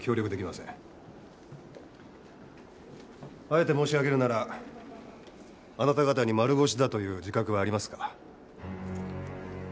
あえて申し上げるならあなた方に丸腰だという自覚はありますか？